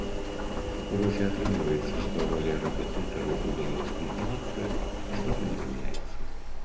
Вось і атрымліваецца, што роля рэпетытараў у беларускім грамадстве істотна змяняецца.